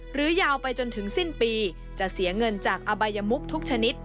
ยาวไปจนถึงสิ้นปีจะเสียเงินจากอบายมุกทุกชนิด